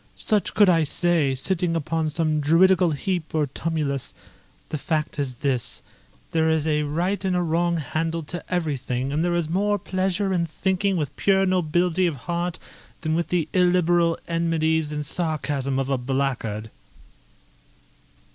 Such could I say, sitting upon some druidical heap or tumulus. The fact is this, there is a right and wrong handle to everything, and there is more pleasure in thinking with pure nobility of heart than with the illiberal enmities and sarcasm of a blackguard."